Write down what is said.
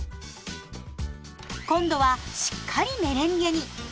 今度はしっかりメレンゲに。